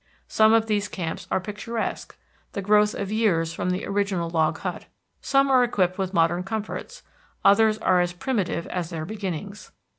Some of these camps are picturesque, the growth of years from the original log hut. Some are equipped with modern comforts; others are as primitive as their beginnings.